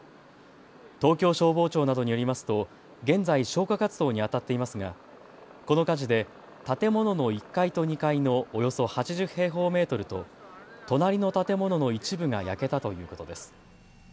東京消防庁などによりますと現在、消火活動にあたっていますがこの火事で建物の１階と２階のおよそ８０平方メートルと隣の建物の一部が焼けたということです。